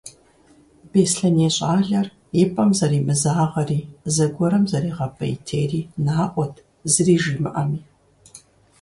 Беслъэней щӏалэр и пӀэм зэримызагъэри зыгуэрым зэригъэпӀейтейри наӀуэт, зыри жимыӀэми.